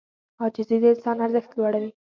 عاجزي د انسان ارزښت لوړوي.